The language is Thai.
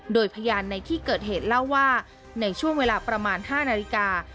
โดยพยานในที่เกิดเหตุเล่าว่าในช่วงเวลาประมาณ๕นาฬิกา